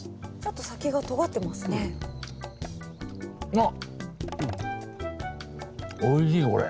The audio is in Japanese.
あっおいしいよこれ。